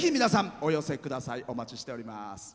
お待ちしております。